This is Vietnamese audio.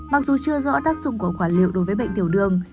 mặc dù chưa rõ tác dụng của quả liệu đối với bệnh tiểu đường